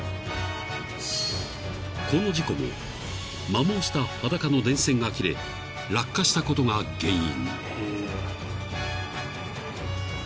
［この事故も摩耗した裸の電線が切れ落下したことが原因］